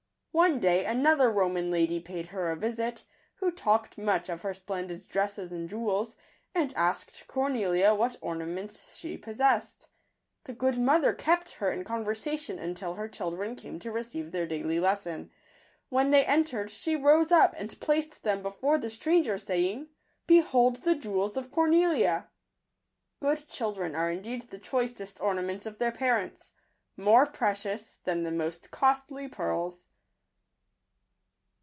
One day another Roman lady paid her a visit, who talked much of her splendid dresses and jewels, and asked Cornelia what ornaments she possessed. The good mother kept her in conversation until her children came to receive their daily lesson. When they entered, she rose up and placed them before the stranger, saying, " Behold the jewels of Cornelia !" Good children are indeed the choicest or naments of their parents — more precious than the most costly pearls.